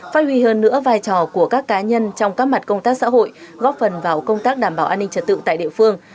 phát huy hơn nữa vai trò của các cá nhân trong các mặt công tác xã hội góp phần vào công tác đảm bảo an ninh trật tự tại địa phương